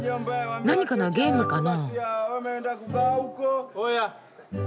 何かのゲームかな？